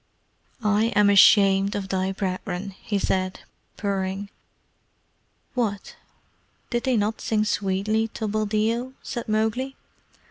"I am ashamed of thy brethren," he said, purring. "What? Did they not sing sweetly to Buldeo?" said Mowgli.